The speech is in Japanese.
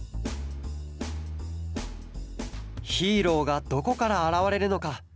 ヒーローがどこからあらわれるのか？